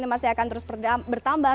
yang masih akan terus bertambah